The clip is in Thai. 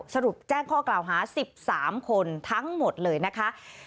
แจ้งข้อกล่าวหา๑๓คนทั้งหมดเลยนะคะ